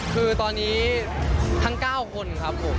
คือตอนนี้ทั้ง๙คนครับผม